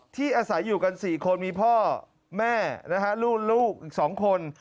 ที่อาศัยอยู่กัน๔คนมีพ่อแม่ลูกอีก๒คน